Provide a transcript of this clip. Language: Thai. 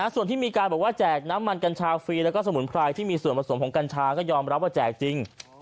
ส่วนที่มีการบอกว่าแจกน้ำมันกัญชาฟรีแล้วก็สมุนไพรที่มีส่วนผสมของกัญชาก็ยอมรับว่าแจกจริง